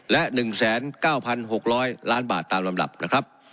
และ๑๙๖๐๐ล้านบาทตามลำดับนะครับ